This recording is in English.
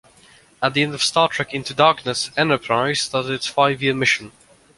At the end of "Star Trek Into Darkness", "Enterprise" started its five-year mission.